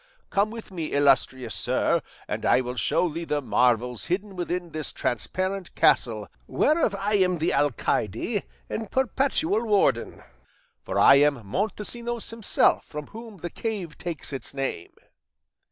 Come with me, illustrious sir, and I will show thee the marvels hidden within this transparent castle, whereof I am the alcaide and perpetual warden; for I am Montesinos himself, from whom the cave takes its name.